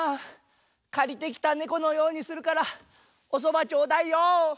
「借りてきた猫」のようにするからおそばちょうだいよ。